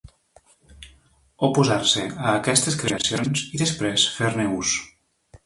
Oposar-se a aquestes creacions i després fer-ne ús.